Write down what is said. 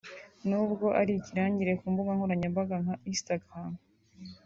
n’ubwo ari ikirangirire ku mbuga nkoranyambaga nka Instagram